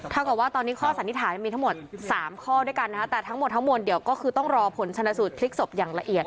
กับว่าตอนนี้ข้อสันนิษฐานมีทั้งหมด๓ข้อด้วยกันนะคะแต่ทั้งหมดทั้งมวลเดี๋ยวก็คือต้องรอผลชนสูตรพลิกศพอย่างละเอียด